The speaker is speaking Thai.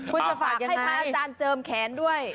คุณจะฝากให้พระอาจารย์เจิมแขนด้วย